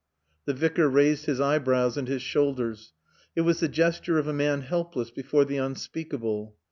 The Vicar raised his eyebrows and his shoulders. It was the gesture of a man helpless before the unspeakable.